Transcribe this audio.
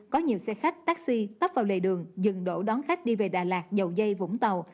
có nhiều xe khách taxi tấp vào lề đường dừng đổ đón khách đi về đà lạt dầu dây vũng tàu